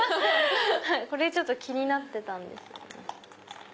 これ気になってたんですよね。